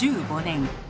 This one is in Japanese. １５年。